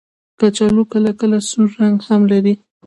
کچالو کله کله سور رنګ هم لري